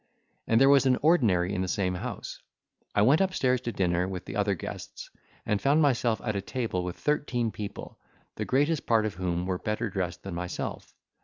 As there was an ordinary in the same house, I went upstairs to dinner with the other guests, and found myself at a table with thirteen people, the greatest part of whom were better dressed than myself.